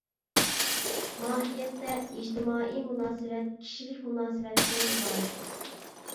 ماھىيەتتە ئىجتىمائىي مۇناسىۋەت كىشىلىك مۇناسىۋەتتىن ئىبارەت.